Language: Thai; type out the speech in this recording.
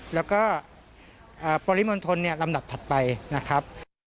แล้วก็ปริมณฑลลำดับถัดไปนะครับ